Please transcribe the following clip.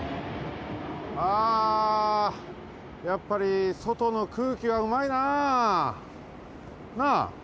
あやっぱりそとのくうきはうまいなあ。なあ？